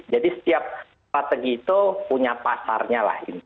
jadi setiap strategi itu punya pasarnya